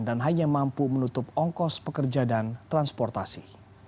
dan hanya mampu menutup ongkos pekerja dan transportasi